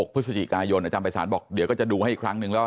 พฤศจิกายนอาจารย์ภัยศาลบอกเดี๋ยวก็จะดูให้อีกครั้งนึงแล้ว